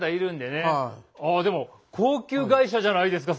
あでも高級外車じゃないですか。